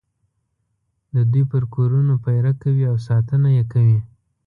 د دوی پر کورونو پېره کوي او ساتنه یې کوي.